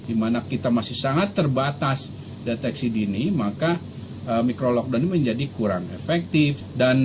dimana kita masih sangat terbatas deteksi dini maka micro lockdown menjadi kurang efektif dan